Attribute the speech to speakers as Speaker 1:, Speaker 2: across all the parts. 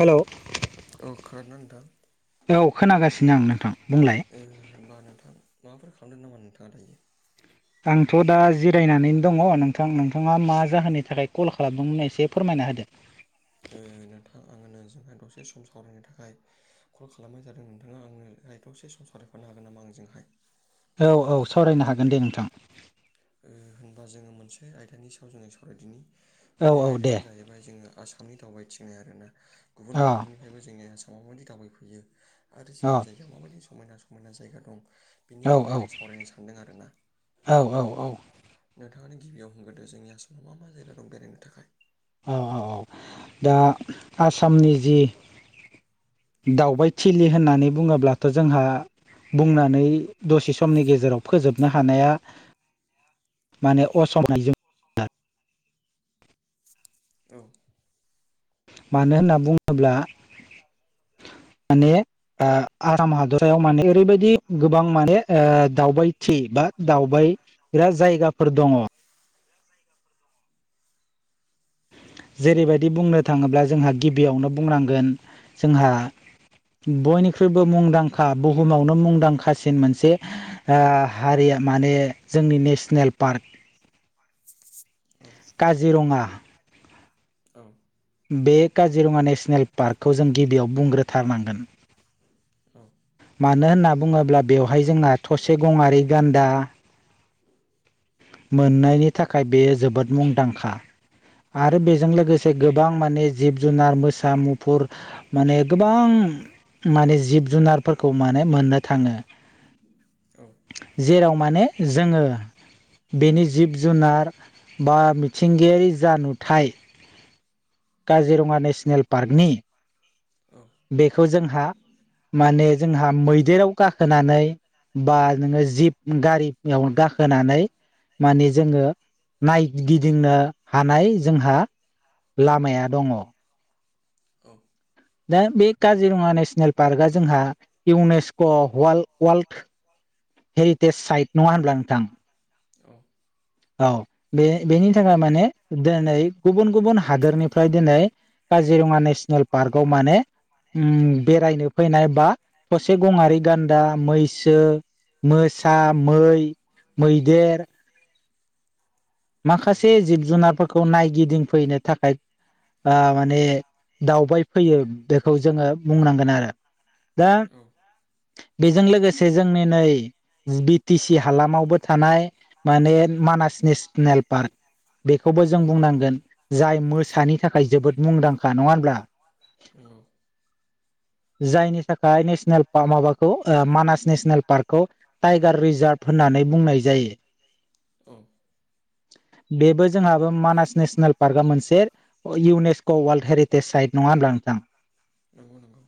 Speaker 1: Hello
Speaker 2: औ खोनादों ना नोंथां
Speaker 1: औ खोनागासिनो आं नोंथां बुंलाय
Speaker 2: होनबा नोंथां माबाफोर खालामदों नामा नोंथाङा दायो
Speaker 1: आंथ' दा जिरायनानै दङ नोंथां नोंथाङा मा जाहोननि थाखाय कल खालामदों होनना एसे फोरमायना होदो
Speaker 2: नोंथां आङो नोंजोंहाय दसे सम सावरायनो थाखाय कल खालामनाय जादों नोंथाङा आंनो रायथ'से सम सावरायफानो हागोन नामा आंजोंहाय?
Speaker 1: औ औ सावरायनो हागोन दे नोंथां।
Speaker 2: ओ होनबा जोङो मोनसे आयदानि सायाव जोङो सावरायदिनि
Speaker 1: औ
Speaker 2: बे
Speaker 1: औ दे
Speaker 2: आयदायानो जाहैबाय जोङो आसामनि दावबायथिंनाय आरोना। गुबुन
Speaker 1: अ
Speaker 2: हादरनि बेनिफ्रायबो जोंनि आसामाव माबायदि दावबायफैयो आरो
Speaker 1: अ
Speaker 2: जोंनि जायगायाव माबायदि समायना समायना जायगा दं।
Speaker 1: औ
Speaker 2: बिनि बागै आं सावरायनो सानदों आरो ना।
Speaker 1: औ औ औ।
Speaker 2: नोंथाङानो गिबियाव होनग्रोदो जोंनि आसामाव मा मा जायगा दं बेरायनो थाखाय।
Speaker 1: औ औ औ दा आसामनि जि दावबाय थिलि होननानै बुङोब्लाथ' जोंहा बुंनानै दसे समनि गेजेराव फोजोबनो [unintelligible] हानाया माने [unintelligible]
Speaker 2: औ।
Speaker 1: मानो होनना बुङोब्ला माने आसाम हादर [unintelligible] ओरैबायदि गोबां माने दावबायथि बा दावबायग्रा [unintelligible] [unintelligible] दङ। जेरैबायदि बुंनो थाङोब्ला
Speaker 2: औ
Speaker 1: जोंहा गिबियावनो बुंनांगोन जोंहा बयनिख्रुइबो मुंदांखा बुहुमावनो मुंदांखासिन मोनसे हारिया माने जोंनि नेसनेल पार्क
Speaker 2: [unintelligible]
Speaker 1: काजिरङा।
Speaker 2: औ।
Speaker 1: बे काजिरङा नेसनेल पार्कखौ जों गिबियाव बुंग्रोथारनांगोन। मानो होनना बुङोब्ला बेवहाय जोंना थसे गं आरि गान्दा मोननायनि थाखाय बे जोबोद मुंदांखा आरो बेजों लोगोसे गोबां माने जिब जुनार मोसा [unintelligible] [unintelligible] माने गोबां माने जिब -जुनारफोरखौ माने मोननो थाङो।
Speaker 2: औ।
Speaker 1: जेराव माने जोङो बेनि जिब- जुनार बा मिथिंगायारि जा नुथाय काजिरङा नेसनेल पार्कनि बेखौ जोंहा माने जोंहा मैदेराव गाखोनानै बा नोङो जिब गारियाव गाखोनानै माने जोङो नायगिदिंनो हानाय जोंहा लामाया दङ।
Speaker 2: औ।
Speaker 1: दा बे काजिरङा नेसनेल पार्कआ जोंहा इउनेस्क' वर्ल्ड-वरल्ड हेरिटेज साइट नङा होनब्ला नोंथां? औ बे- बेनि थाखाय माने दिनै गुबुन -गुबुन हादोरनिफ्राय दिनै काजिरङा नेसनेल पार्कआव माने उम बेरायनो फैनाय बा थसे गंआरि गान्दा, मैसो मोसा, मै, मैदेर माखासे जिब -जुनारफोरखौ नायगिदिंफैनो थाखाय दा माने दावबाय फैयो बेखौ जोङो बुंनांगोन आरो। दा
Speaker 2: औ।
Speaker 1: बेजों लोगोसे जोंनि नै बि टि सि हालामावबो थानाय माने मानास नेसनेल पार्क बेखौबो जों बुंनांगोन जाय मोसानि थाखाय जोबोद मुंदांखा नङा होमब्ला?
Speaker 2: औ।
Speaker 1: जायनि थाखाय नेसनेल माबाखौ मानास नेसनेल पार्कखौ टाइगार रिजार्भ होननानै बुंनाय जायो।
Speaker 2: औ नंगौ औ
Speaker 1: बेबो जोंहाबो मानास नेसनेल पार्कआ मोनसे इउनेस्क' वर्ल्ड हेरिटेज साइट नङा होनबा नोंथां?
Speaker 2: नंगौ नंगौ।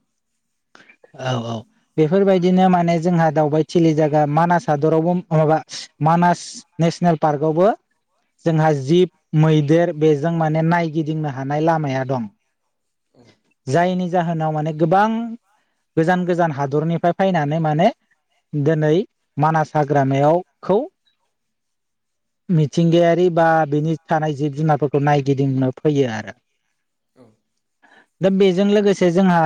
Speaker 1: औ औ बेफोरबायदिनो माने जोंहा दावबायथिलि जायगा मानास हादरावबो माबा मानास नेसनेल पार्कआवबो जोंहा जिब मैदेर बेजों माने नायगिदिंनो हानाय लामाया दं
Speaker 2: औ औ
Speaker 1: जायनि जाहोनाव माने गोबां गोजान गोजान हादरनिफ्राय फैनानै माने दिनै मानास हाग्रामायावखौ मिथिंगायारि बा बिनि थानाय जिब जुनारफोरखौ नायगिदिंनो फैयो आरो।
Speaker 2: नंगौ औ
Speaker 1: दा बेजों लोगोसे जोंहा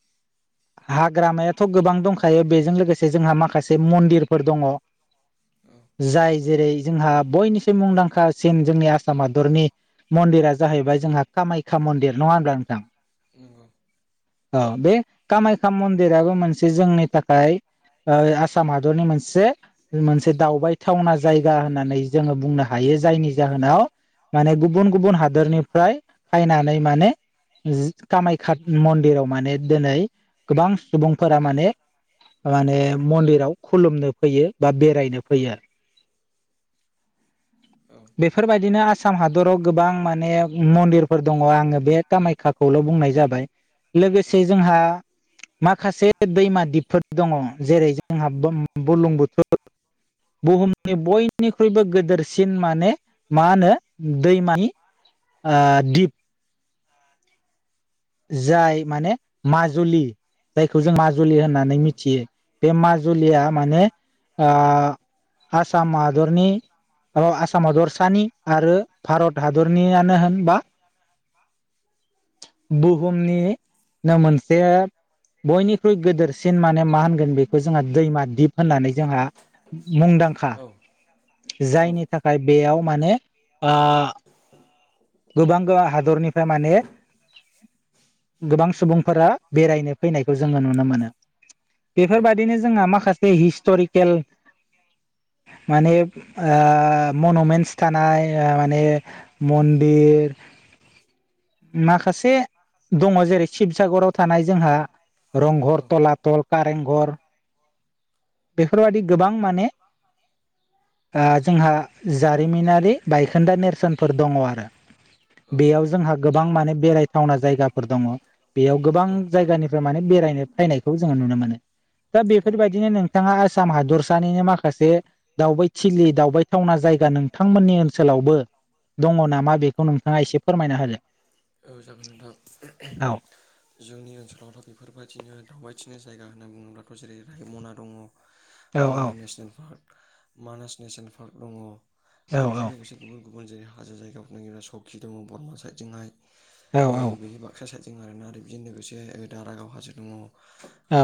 Speaker 2: [inaudible]
Speaker 1: हाग्रामायाथ' गोबां दंखायो बेजों लोगोसे जोंहा माखासे मन्दिरफोर दङ जाय जेरै जोंहा बयनिसाय मुंदांखासिन जोंनि आसाम हादरनि मन्दिरा जाहैबाय जोंहा कामाख्या मन्दिर नङा होनब्ला नोंथां?
Speaker 2: नंगौ
Speaker 1: औ बे कामाख्या मन्दिराबो मोनसे जोंनि थाखाय आसाम हादरनि मोनसे मोनसे दावबायथावना जाय गा होननानै जोङो बुंनो हायो जायनि जाहोनाव माने गुबुन गुबुन हादोरनिफ्राय फैनानै माने कामाख्या मन्दिराव माने दिनै गोबां सुबुंफोरा माने माने मन्दिराव खुलुमनो फैयो बा बेरायनो फैयो। बेफोरबायदिनो आसाम हादराव गोबां माने मन्दिरफोर दङ आङो बे कामाय खाखौल' बुंनाय जाबाय लोगोसे जोंहा माखासे दैमा दिपफोर दङ जेरै जोंहा बुरलुंबुथुर बुहुमनि बय निख्रुइबो गेदेरसिन माने मा होनो दैमानि दिप जाय माने माजुलि जायखौ जों माजुलि होननानै मिथियो बे माजुलिया माने आसाम हादरनि आसाम हादरसानि आरो भारत हादरनियानो होनबा बुहुमनिनो मोनसे बयनिख्रुइ गोदोरसिन माने मा होनगोन बेखौ जोंहा दैमा दिप होननानै जोंहा मुंदांखा
Speaker 2: औ
Speaker 1: जायनि थाखाय बेयाव माने ओ गोबां गोबां हादरनिफ्राय माने गोबां सुबुंफोरा बेरायनो फैनायखौ जोङो नुनो मोनो।
Speaker 2: औ
Speaker 1: बेफोरबायदिनो जोंहा माखासे हिस्ट'रिकेल
Speaker 2: [inaudible]
Speaker 1: माने ओ मनुमेन्टस थानाय माने बे माखासे दङ जेरै
Speaker 2: औ
Speaker 1: शिबसागराव थानाय जोंहा रंघर, थलाथल, कारेंघर बेफोरबायदि गोबां माने जोंहा जारिमिनारि बायखोन्दा नेरसोनफोर दङ आरो बेयाव जोंहा गोबां माने बेरायथावना जायगाफोर दङ बेयाव गोबां
Speaker 2: औ
Speaker 1: जायगानिफ्राय माने बेरायनो फैनायखौ जोङो नुनो मोनो दा बेफोरबायदिनो नों बिथाङा आसाम हादरसानिनो माखासे दावबायथिलि दावबाय थावना जायगा नोंथांमोननि ओनसोलावबो दङ नामा बेखौ नोंथाङा एसे फोरमायना [unintelligible]
Speaker 2: औ जागोन नोंथां
Speaker 1: औ
Speaker 2: जोंनि ओनसोलावथ' बेफोरबायदिनो दावबायथिनो जायगा होनना बुङोब्लाथ' जेरै रायमना दङ
Speaker 1: औ
Speaker 2: Raimona national park, Manas national park दङ आरो बिजों
Speaker 1: औ
Speaker 2: लोगोसे गुबुन गुबुन जेरै हाजो जायगाफोर [unintelligible] सकि दङ बरमा साइदथिंहाय
Speaker 1: औ औ
Speaker 2: बेनि बाक्सा साइदजों आरोना आरो बिजों लोगोसे दारागाव हाजो दङ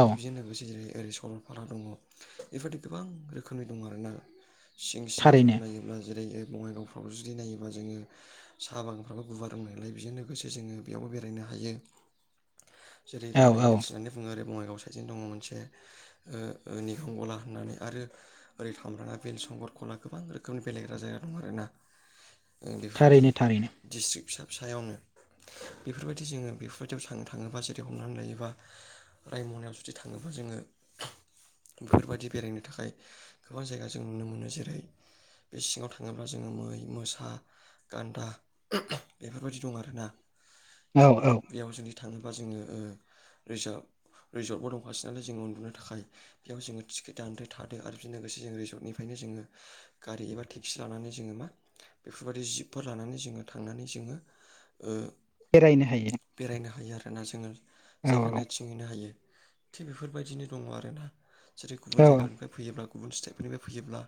Speaker 1: औ
Speaker 2: बिजों लोगोसे जेरै ओरै सरलपारा दङ बेबायदि गोबां रोखोमनि दङ आरोना सिं सिङाव जोङो
Speaker 1: थारैनो
Speaker 2: नायोब्ला जेरै बङाइगाव जुदि नायोबा जोङो सा बागानफ्राबो गुवार दंनायलाय बेजों लोगोसे जोङो बेयावबो बेरायनो हायो जेरै
Speaker 1: औ
Speaker 2: गार'
Speaker 1: औ
Speaker 2: हिल्स होननानै बुङो बङाइगाव साइडनो दङ मोनसे निगम गला होननानै आरो ओरै थामब्राना बिल, संगर खला गोबां रोखोमनि बेेरायग्रा जायगा दं आरोना बेफोरबायदि
Speaker 1: थारैनो थारैनो
Speaker 2: डिस्ट्रिक फिसा फिसायावनो बेफोरबायदि जोङो बेफोरबायदियाव थांनो थाङोबा जेरै हमनानै लायोबा रायमनायाव जुदि थाङोबा जोङो बेफोरबायदि बेरायनो थाखाय गोबां जायगा जों नुनो मोनो जेरै बे सिङाव थाङोब्ला जोङो मै, मोसा, गान्दा बेफोरबायदि दं आरोना
Speaker 1: औ औ
Speaker 2: बेयाव जुदि थाङोबा जोङो ओ रिजार्भ रिजर्टबो दंखा [unintelligible] जोङो [unintelligible] बेयाव जोङो टिकेट दानदो थादो आरो बेजों लोगोसे जों रिजर्टनिफ्रायनो जोङो गारि एबा टेक्सि लानानै जोङो मा बेफोरबायदि जिबफोर लानानै जोङो थांनानै जोङो ओ
Speaker 1: बेरायनो हायो
Speaker 2: बेरायनो हायो आरोना जोङो जायगा
Speaker 1: औ
Speaker 2: नायथिं [unintelligible] हायो थिग बेफोरबायदिनो दङ आरोना जेरै
Speaker 1: औ
Speaker 2: गुबुन जायगानिफ्राय फैयोब्ला गुबुन स्टेटफोरनिबो फैयोब्ला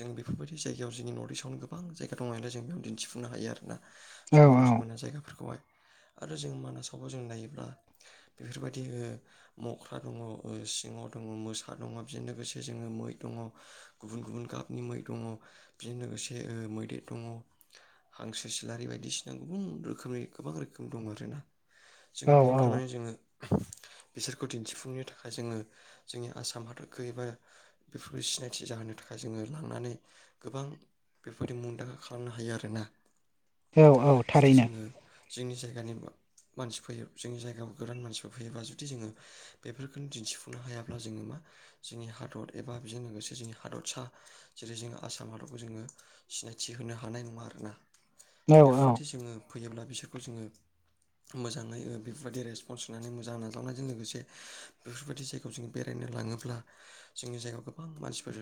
Speaker 2: जों बेफोरबायदि जायगायाव जोंनि नर्थ इस्टआव गोबां जायगा दं नालाय जों बेयावनो दिन्थिफुंनो हायो आरोना
Speaker 1: औ
Speaker 2: समायना समायना जायगाफोरखौहाय आरो जों मानासावबो जों नायोब्ला बेफोरबायदि मख्रा दङ सिंह दङ मोसा दङ बेजों लोगोसे जोङो मै दङ गुबुन गुबुन गाबनि मै दङ बेजों लोगोसे ओ मैदेर दङ हांसो सिलारि बायदिसिना गुबुन रोखोमनि गोबां रोखोम दं आरोना जों
Speaker 1: औ
Speaker 2: बेयाव थांनानै
Speaker 1: औ
Speaker 2: जोङो बिसोरखौ दिन्थिफुंनो थाखाय जोङो जोंनि आसाम हादरखो एबा [unintelligible] सिनायथि जाहोनो थाखाय जोङो लांनानै गोबां बेफोरबायदि मुंदांखा खालामनो हायो आरोना
Speaker 1: औ औ
Speaker 2: जुदि
Speaker 1: थारैनो
Speaker 2: जोङो जोंनि जायगानि मानसि फैयो जोंनि जायगायाव गोदान मानसिफोर फैयोल्बा जुदि जोङो बेफोरखौनो दिन्थिफुंनो हायाब्ला जोङो मा जोंनि हादर एबा बेजों लोगोसे जोंनि हादरसा जेरै जोङो आसाम हादरखौ जोङो सिनायथि होनो हानाय नङा आरोना
Speaker 1: औ औ
Speaker 2: बेफोरबायदि जोङो फैयोब्ला बिसोरखौ जोङो मोजाङै बेफोरबायदि रेसपन्स होननानै मोजां नाजावनायजों लोगोसे बेफोरबायदि जे खौ जों बेरायनो लाङोब्ला जोंनि जायगायाव गोबां मानसिफोर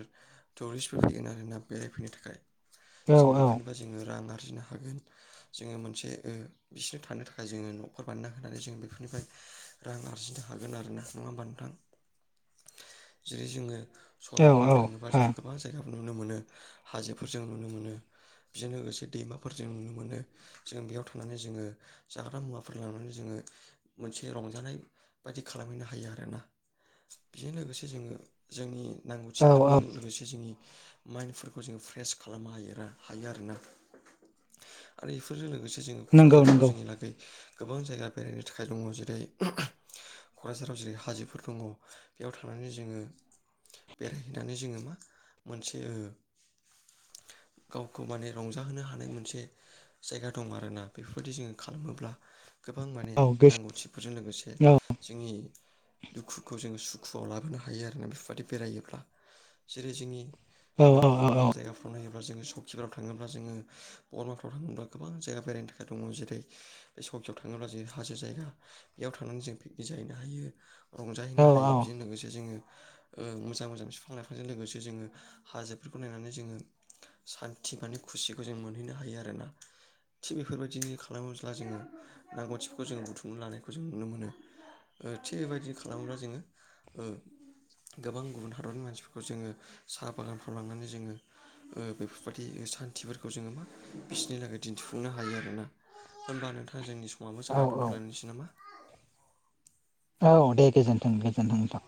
Speaker 2: टुरिस्टफोर एा बेरायफैनो थाखाय
Speaker 1: औ
Speaker 2: जों बेफोरनिफ्राय जोङो रां आरजिनो हागोन जोङो मोनसे ओ बिसोरनो थानो थाखाय जोङो न'खर बानायना होनानै जोङो बेफोरनिफ्राय रां आरजिनो हागोन आरो ना नङा होमबा नोंथां जेरै जोङो
Speaker 1: औ
Speaker 2: सरलपारायाव
Speaker 1: औ
Speaker 2: थाङोबा
Speaker 1: हा
Speaker 2: जों गोबां जायगा नुनो मोनो हाजोफोर जों नुनो मोनो बेजों लोगोसे दैमा फोर जों नुनो मोनो जों बेयाव थनानै जोङो जाग्रा मुवाफोर लनानै जोङो मोनसे रंजानाय बायदि खालामहैनो हायो आरोना बेजों लोगोसे जोङो जोंनि
Speaker 1: औ
Speaker 2: नांगौथिफोरखौ
Speaker 1: औ
Speaker 2: लोगोसे जोंनि माइन्दफोरखौ जोङो फ्रेस खालामनो हायो हायो आरोना आरो बेफोरजों लोगोसे जोङो
Speaker 1: नंगौ
Speaker 2: क'क्राझाराव
Speaker 1: नंगौ
Speaker 2: जोंनि लागै गोबां जायगा बेरायनो थाखाय दङ जेरै क'क्राझाराव जेरै हाजोफोर दङ बेयाव थांनानै जोङो बेरायहैनानै जोङो मा मोनसे ओ गावखौ माने रंजाहोनो हानाय मोनसे जायगा दं आरोना बेफोरबायदि जोङो खालामोब्ला गोबां माने
Speaker 1: औ गोसो
Speaker 2: नांगौथिफोरजों लोगोसे
Speaker 1: औ
Speaker 2: जोंनि दुखुखौ जोङो सुखुआव लाबोनो हायो आरोना बेफोरबायदि बेरायोब्ला। जेरै जोंनि
Speaker 1: औ
Speaker 2: गुबुन
Speaker 1: औ औ
Speaker 2: गुबुन जायगाफ्राव नायोब्ला जोङो सकिफोराव थाङोब्ला जोङो बरमाफ्राव थाङोब्ला गोबां जायगा बेरायनो थाखाय दङ जेरै बे सकियाव थाङोब्ला जेरै हाजो जायगा बेयाव थांनानै जों पिकनिक जाहैनो हायो रंजाहैनो
Speaker 1: औ
Speaker 2: हायो बेजों लोगोसे जोङो ओ मोजां मोजां बिफां लाइफांजों लोगोसे जोङो हाजोफोरखौ नायनानै जोङो सान्थि माने खुसिखौ जों मोनहैनो हायो आरोना। थिग बेफोरबायदि खालामोब्ला जोङो नांगौथिफोरखौ जो बुथुमनो लानायखौ जों नुनो मोनो। ओ थिग बेबायदिनो खालामोब्ला जोङो गोबां गुबुन हादरनि मानसिफोरखौ जोङो साहा बागानफ्राव लांनानै जोङो बेफोरबायदि सान्थिफोरखौ जोङो मा बिसोरनि थाखायै दिन्थिफुंनो हायो आरोना होनोमबा नोंथाङा जोंनि समाबो
Speaker 1: औ
Speaker 2: जाबाय
Speaker 1: औ
Speaker 2: दोनथ'लायनोसै नामा?
Speaker 1: औ दे गोजोन्थों गोजोन्थों नोंथा।